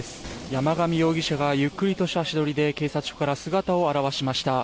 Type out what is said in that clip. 山上容疑者がゆっくりとした足取りで警察署から姿を現しました。